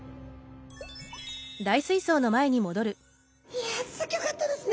いやすギョかったですね。